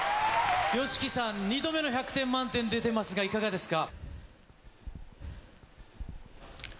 ＹＯＳＨＩＫＩさん２度目の１００点満点出てますがいかがですか？